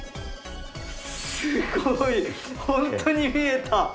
すごい本当に見えた。